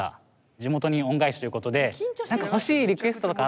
地元に恩返しということで。